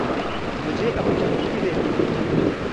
मुझे अपनी अँगूठी देखने दीजिए।